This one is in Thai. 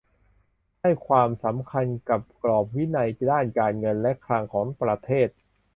ให้ความสำคัญกับกรอบวินัยด้านการเงินการคลังของประเทศ